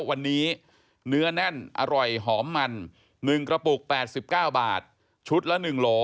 วันนี้เนื้อแน่นอร่อยหอมมัน๑กระปุก๘๙บาทชุดละ๑โล